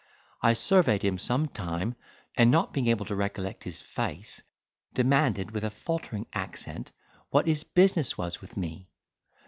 I surveyed him some time, and not being able to recollect his face, demanded, with a faltering accent, what his business was with me?